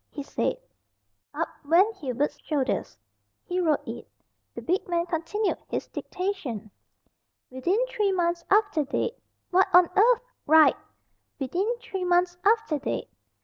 he said. Up went Hubert's shoulders he wrote it. The big man continued his dictation. "'Within three months after date.'" "What on earth " "Write 'Within three months after date.'"